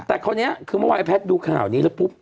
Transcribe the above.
แต่คนนี้มอไว้ไอ้แพทย์ดูข่าวนี้แล้วปุ๊บ